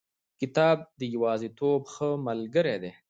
کتاب د یوازیتوب ښه ملګری دی.